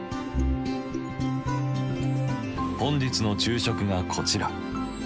本日の昼食がこちら。